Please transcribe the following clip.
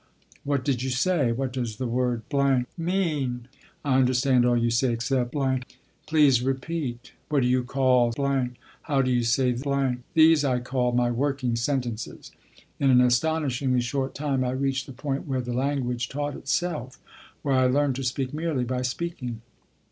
"What did you say?" "What does the word mean?" "I understand all you say except ." "Please repeat." "What do you call ?" "How do you say ?" These I called my working sentences. In an astonishingly short time I reached the point where the language taught itself where I learned to speak merely by speaking.